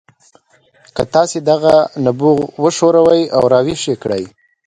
که تاسې دغه نبوغ وښوروئ او راویښ یې کړئ